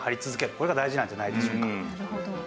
これが大事なんじゃないでしょうか。